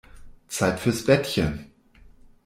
Zeit fürs Bettchen.